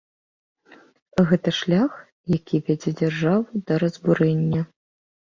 Гэта шлях, які вядзе дзяржаву да разбурэння.